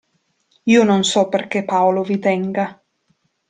Io non so perché Paolo vi tenga.